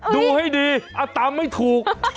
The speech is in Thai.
ดูให้ดีตามไม่ถูก